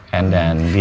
dan dia nanya gitu